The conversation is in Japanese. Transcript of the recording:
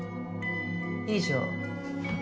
以上。